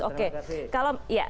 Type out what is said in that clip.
ya terima kasih